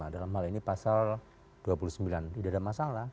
dalam hal ini pasal dua puluh sembilan tidak ada masalah